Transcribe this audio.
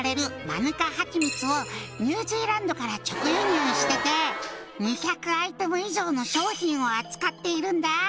マヌカはちみつをニュージーランドから直輸入してて２００アイテム以上の商品を扱っているんだ」